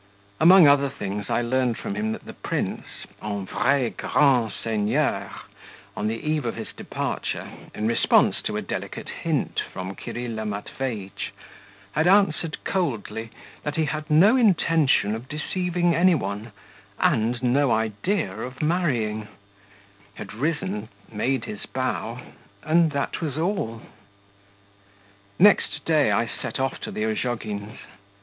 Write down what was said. Among other things, I learned from him that the prince, en vrai grand seigneur, on the eve of his departure, in response to a delicate hint from Kirilla Matveitch, had answered coldly that he had no intention of deceiving any one, and no idea of marrying, had risen, made his bow, and that was all.... Next day I set off to the Ozhogins'.